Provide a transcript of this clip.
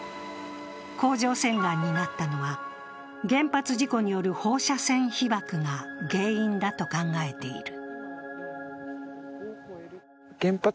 甲状腺がんになったのは原発事故による放射線被ばくが原因だと考えている。